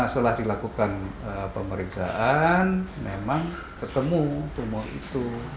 setelah dilakukan pemeriksaan memang ketemu tumor itu